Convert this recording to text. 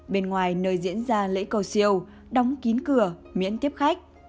bên ngoài nơi diễn ra lễ cầu siêu đóng kín cửa miễn tiếp khách